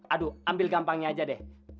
aduh ambil gampangnya aja deh